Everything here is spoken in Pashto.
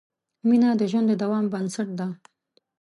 مینه د ژوند د دوام بنسټ ده.